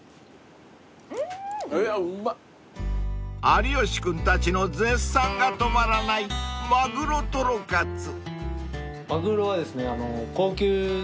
［有吉君たちの絶賛が止まらないマグロトロかつ］